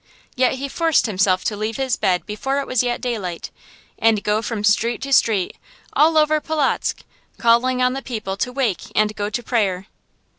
Yet he forced himself to leave his bed before it was yet daylight, and go from street to street, all over Polotzk, calling on the people to wake and go to prayer.